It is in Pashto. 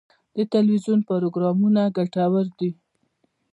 د تلویزیون پروګرامونه ګټور دي.